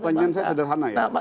pertanyaan saya sederhana ya